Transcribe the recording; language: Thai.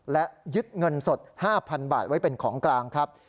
และยึดเงินสด๕๐๐๐บาทไว้เป็นของกลางครับ